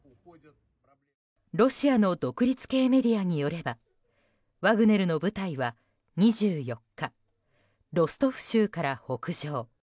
ロシアの独立系メディアによればワグネルの部隊は２４日ロストフ州から北上。